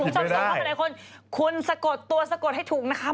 ทุกคนคุณสะกดตัวสะกดให้ถูกนะคะ